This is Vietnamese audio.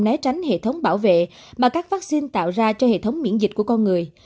né tránh hệ thống bảo vệ mà các vaccine tạo ra cho hệ thống miễn dịch của con người